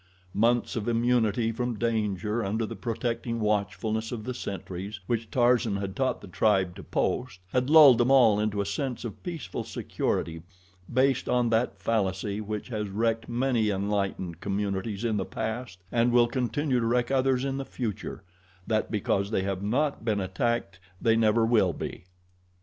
Months of immunity from danger under the protecting watchfulness of the sentries, which Tarzan had taught the tribe to post, had lulled them all into a sense of peaceful security based on that fallacy which has wrecked many enlightened communities in the past and will continue to wreck others in the future that because they have not been attacked they never will be.